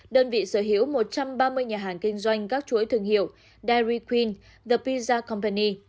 đơn vị sở hữu một trăm ba mươi nhà hàng kinh doanh các chuỗi thương hiệu dairy queen the pizza company